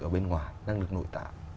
ở bên ngoài năng lực nội tạ